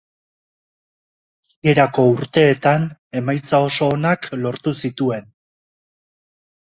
Hasierako urteetan emaitza oso onak lortu zituen.